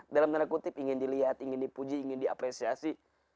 dalam tanda kutip ingin dilihat ingin dipuji ingin diapresiasi